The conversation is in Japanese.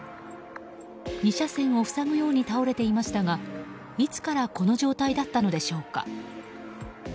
２車線を塞ぐように倒れていましたがいつからこの状態だったのでしょうか。